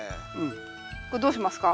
これどうしますか？